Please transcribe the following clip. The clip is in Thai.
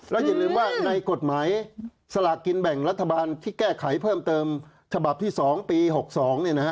แล้วอย่าลืมว่าในกฎหมายสลากกินแบ่งรัฐบาลที่แก้ไขเพิ่มเติมฉบับที่๒ปี๖๒เนี่ยนะฮะ